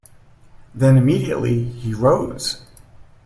Then immediately he rose.